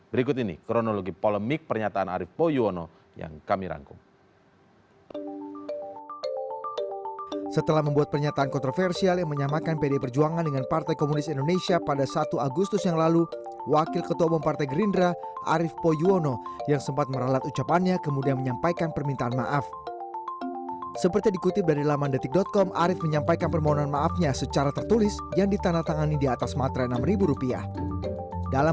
berikut ini kronologi polemik pernyataan arief poyuono yang kami rangkum